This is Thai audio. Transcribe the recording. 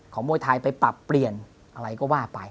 มวยไทยไปปรับเปลี่ยนอะไรก็ว่าไป